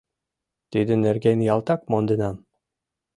Тидын нерген ялтак монденам.